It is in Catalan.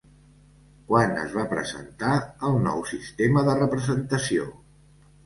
Quan es va presentar el nou sistema de representació?